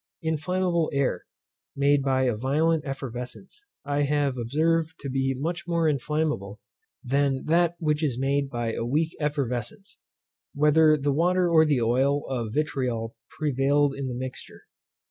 Inflammable air, made by a violent effervescence, I have observed to be much more inflammable than that which is made by a weak effervescence, whether the water or the oil of vitriol prevailed in the mixture.